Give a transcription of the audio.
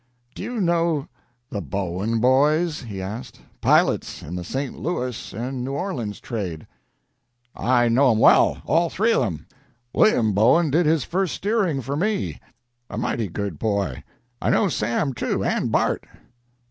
"Do you know the Bowen boys?" he asked, "pilots in the St. Louis and New Orleans trade?" "I know them well all three of them. William Bowen did his first steering for me; a mighty good boy. I know Sam, too, and Bart."